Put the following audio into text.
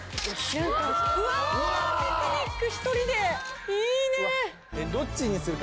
うわぁピクニック１人でいいね！